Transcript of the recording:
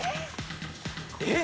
えっ！